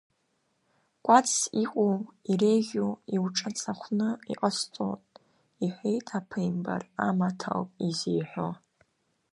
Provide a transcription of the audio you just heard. Кәацс иҟоу иреиӷьу иуҿаҵахәны иҟасҵот, — иҳәеит аԥааимбар, амаҭ ауп изеиҳәо.